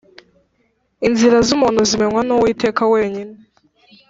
inzira z’ umuntu zimenywa n’Uwiteka wenyine